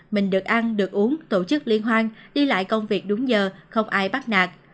mình được ăn được uống tổ chức liên hoan đi lại công việc đúng giờ không ai bắt nạt